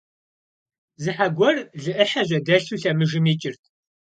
Зы хьэ гуэр лы Ӏыхьэ жьэдэлъу лъэмыжым икӀырт.